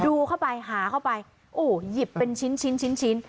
อู้ยหยิบเป็นชิ้น